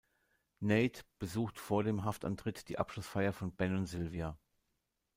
Nate besucht vor dem Haftantritt die Abschlussfeier von Ben und Sylvia.